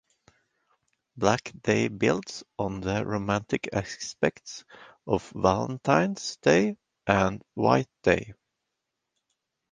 Black Day builds on the romantic aspect of Valentine's Day and White Day.